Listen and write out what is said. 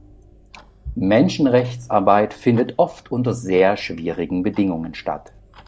Menschenrechtsarbeit findet oft unter sehr schwierigen Bedingungen statt.